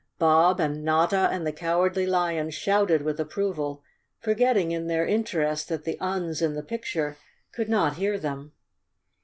Bob and Notta and the Cowardly Lion shouted with approval, forgetting in their interest that the Uns in the picture could not hear them.